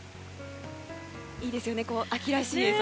いいですよね、秋らしい映像。